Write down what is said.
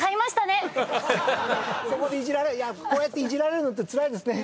そこでこうやっていじられるのってつらいですね。